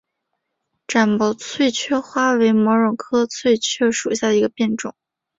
展毛翠雀花为毛茛科翠雀属下的一个变种。